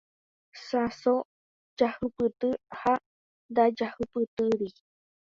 Sãso jahupyty ha ndajahupytýiri.